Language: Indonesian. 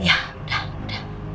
ya udah udah